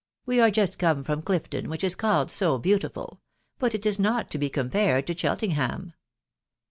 We are just come from Clifton, which is called so beautiful, .... but it is not to be compared to Chel tenham."